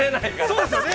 ◆そうですよね。